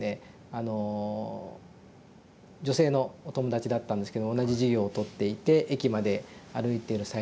あの女性のお友達だったんですけど同じ授業をとっていて駅まで歩いている最中にですね